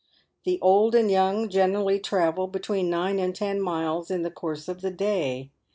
The old and young generally travel between nine and ten miles in the course of the day.